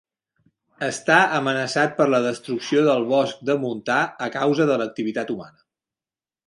Està amenaçat per la destrucció del bosc de montà a causa de l'activitat humana.